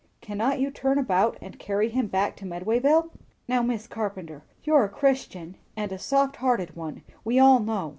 "Cannot you turn about and carry him back to Medwayville?" "Now, Mis' Carpenter, you're a Christian, and a soft hearted one, we all know.